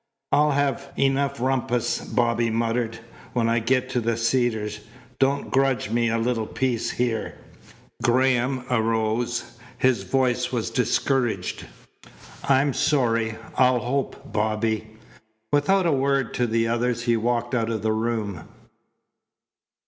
"I'll have enough rumpus," Bobby muttered, "when I get to the Cedars. Don't grudge me a little peace here." Graham arose. His voice was discouraged. "I'm sorry. I'll hope, Bobby." Without a word to the others he walked out of the room.